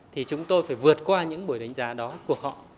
thì chúng tôi phải vượt qua những buổi đánh giá đó của họ